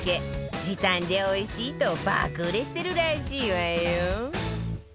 時短でおいしいと爆売れしてるらしいわよ